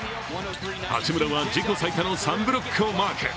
八村は自己最多の３ブロックをマーク。